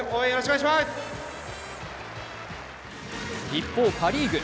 一方、パ・リーグ。